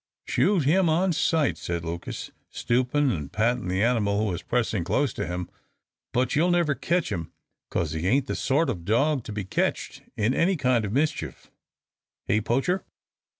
"Shoot him on sight," said Lucas, stooping and patting the animal who was pressing close to him; "but you'll never ketch him, 'cause he ain't the sort o' dog to be ketched in any kind o' mischief; hey, Poacher?"